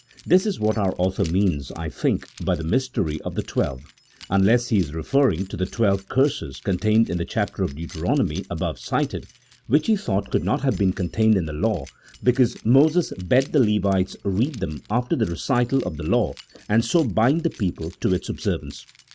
This is what our author means, I think, by the mystery of the twelve, unless he is referring to the twelve curses contained in the chapter of Deuteronomy above cited, which he thought could not have been contained in the law, because Moses bade the Levites read them after the recital of the law, and so bind the people to its observance.